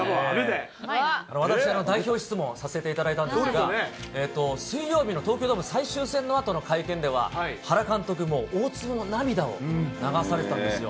私、代表質問させていただいたんですが、水曜日の東京ドーム最終戦のあとの会見では、原監督も大粒の涙を流されたんですよ。